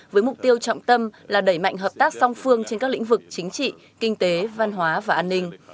với mục tiêu trọng tâm là đẩy mạnh hợp tác song phương trên các lĩnh vực chính trị kinh tế văn hóa và an ninh